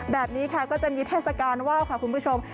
แบบนี้ค่ะก็จะมีเทศกาลว่าวค่ะคุณผู้ชม